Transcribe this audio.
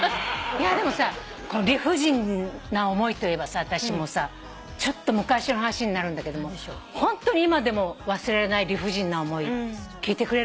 でも理不尽な思いといえば私もちょっと昔の話になるんだけどホントに今でも忘れられない理不尽な思い聞いてくれる？